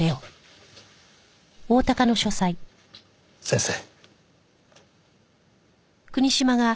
先生。